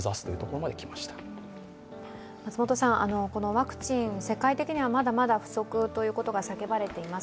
ワクチン、世界的にはまだまだ不足ということが叫ばれています。